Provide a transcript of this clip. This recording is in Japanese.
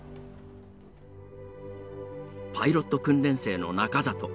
パイロット訓練生の中里。